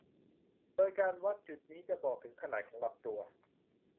โดยการวัดจุดนี้จะบอกถึงขนาดของลำตัว